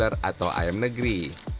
kampung broiler atau ayam negeri